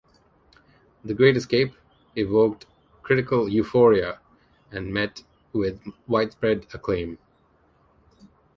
"The Great Escape" evoked "critical euphoria", and met with widespread acclaim.